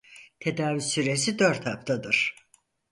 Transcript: Tedavi süresi dört haftadır.